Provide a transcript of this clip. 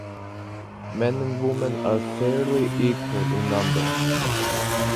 Men and women are fairly equal in number.